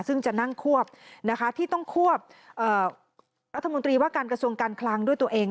ซึ่งจะนั่งควบที่ต้องควบรัฐมนตรีว่าการกระทรวงการคลังด้วยตัวเอง